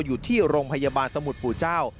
อยู่ที่โรงพยาบาลสมุทรปู่เจ้า